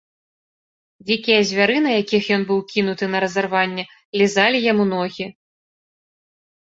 Дзікія звяры, на якіх ён быў кінуты на разарванне, лізалі яму ногі.